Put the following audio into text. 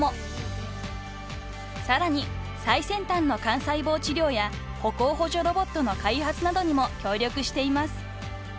［さらに最先端の幹細胞治療や歩行補助ロボットの開発などにも協力しています］